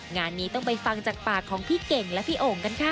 งานนี้ต้องไปฟังจากปากของพี่เก่งและพี่โอ่งกันค่ะ